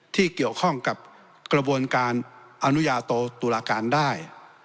ที่เกี่ยวข้องกับกระบวนการอนุญาโตตุลาการได้